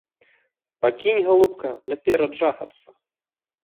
Пакінь, галубка, наперад жахацца!